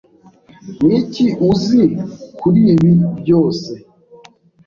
Niki uzi kuri ibi byose?